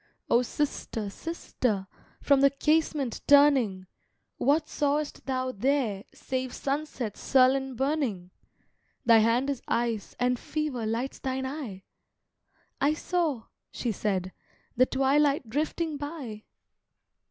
"O sister, sister, from the casement turning, What saw'st thou there save sunset's sullen burning? Thy hand is ice, and fever lights thine eye!" "I saw," she said, "the twilight drifting by."